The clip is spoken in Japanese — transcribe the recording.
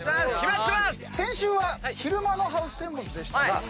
先週は昼間のハウステンボスでしたがどうですか？